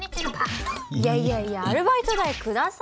いやいやいやアルバイト代下さいよ。